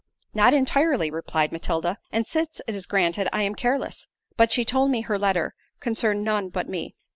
"Not entirely," replied Matilda, "and since it is granted, I am careless. But she told me her letter concerned none but me."